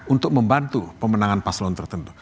untuk membantu pemenangan paslon tertentu